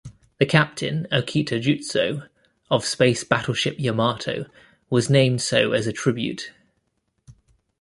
The captain, "Okita Juzo" of Space Battleship Yamato was named so as a tribute.